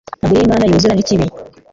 Nta bwo uri Imana yuzura n’ikibi